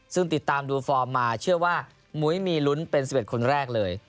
ซึ่งติดตามดูฟอร์มมาเชื่อว่ามุ้ยมีลุ้นเป็น๑๑คนแรกเลย